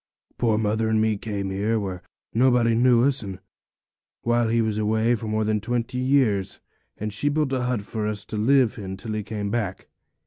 'Poor mother and me came here, where nobody knew us, while he was away for more than twenty years; and she built a hut for us to live in till he came back.